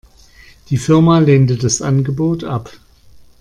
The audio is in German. Die Firma lehnte das Angebot ab.